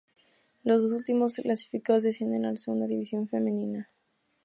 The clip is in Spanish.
Los dos últimos clasificados descienden a Segunda División Femenina.